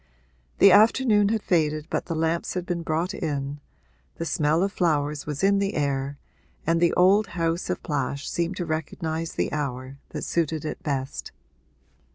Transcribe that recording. The afternoon had faded but the lamps had been brought in, the smell of flowers was in the air and the old house of Plash seemed to recognise the hour that suited it best.